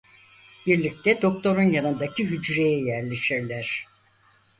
Birlikte Doktor'un yanındaki hücreye yerleşirler.